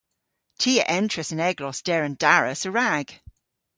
Ty a entras an eglos der an daras a-rag.